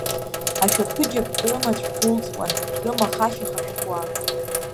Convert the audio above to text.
Ашәаԥыџьаԥ рымаҵә гәылҵуан, рымахашьаха шәҭуа.